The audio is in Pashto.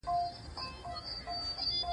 په زړه کي را تېر شول چي راځي !